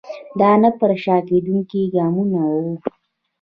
دا نه پر شا کېدونکي ګامونه وو.